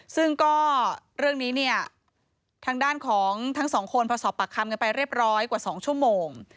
ซึ่งก็เรื่องนี้เนี่ยทางด้านของทั้งสองคนพอสอบปากคำกันไปเรียบร้อยกว่า๒ชั่วโมง